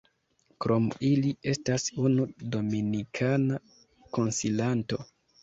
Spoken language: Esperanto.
Krom ili, estas unu dominikana konsilanto.